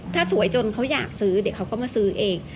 ถ้าสวยจนเขาอยากซื้อเดี๋ยวเขาก็มาซื้อเอง